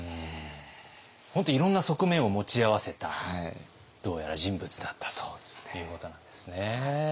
本当いろんな側面を持ち合わせたどうやら人物だったということなんですね。